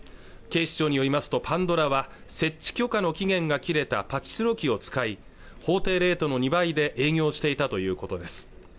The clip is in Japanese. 警視庁によりますとパンドラは設置許可の期限が切れたパチスロ機を使い法定レートの２倍で営業していたということです